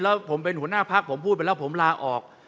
แล้วผมเป็นหัวหน้าพักผมพูดไปแล้วผมลาออก